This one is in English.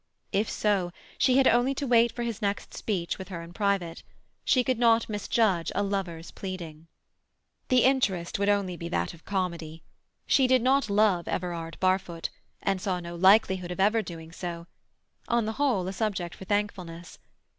If so, she had only to wait for his next speech with her in private; she could not misjudge a lover's pleading. The interest would only be that of comedy. She did not love Everard Barfoot, and saw no likelihood of ever doing so; on the whole, a subject for thankfulness.